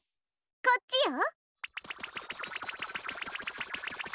こっちよ。